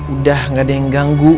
udah gak ada yang ganggu